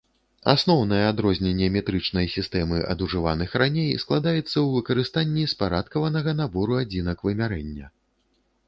Асноўнае адрозненне метрычнай сістэмы ад ужывальных раней складаецца ў выкарыстанні спарадкаванага набору адзінак вымярэння.